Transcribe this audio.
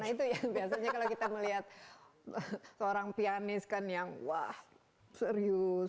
nah itu yang biasanya kalau kita melihat seorang pianis kan yang wah serius